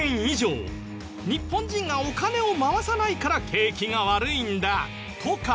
日本人がお金を回さないから景気が悪いんだとか。